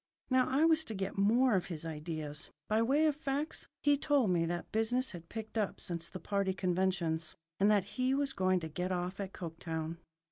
Now I was to get more of his ideas. By way of facts, he told me that business had picked up since the party conventions, and that he was going to get off at Coketown.